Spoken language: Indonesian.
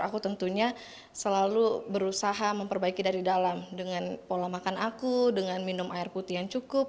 aku tentunya selalu berusaha memperbaiki dari dalam dengan pola makan aku dengan minum air putih yang cukup